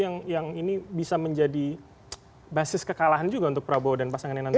yang ini bisa menjadi basis kekalahan juga untuk prabowo dan pasangannya nanti